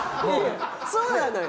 そうなのよ。